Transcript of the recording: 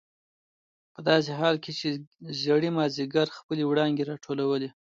په داسې حال کې چې ځېږدي مازدیګر خپلې وړانګې راټولولې.